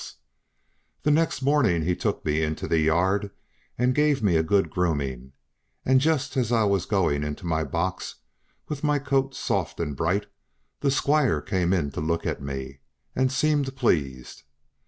The next morning he took me into the yard and gave me a good grooming, and just as I was going into my box, with my coat soft and bright, the squire came in to look at me, and seemed pleased.